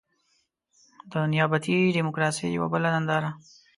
د نيابتي ډيموکراسۍ يوه بله ننداره.